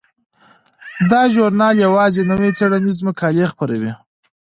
دا ژورنال یوازې نوې څیړنیزې مقالې خپروي.